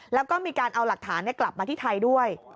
แล้วก็มีการเอาหลักฐานกลับมาที่ไทยด้วย